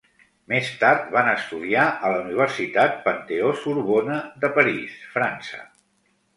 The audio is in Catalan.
Més tard van estudiar a la Universitat Panteó-Sorbona de París (França).